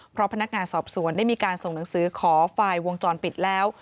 เพราะพนักงานสอบสวนได้มีการส่งหนังสือขอไฟล์วงจรปิดแล้ว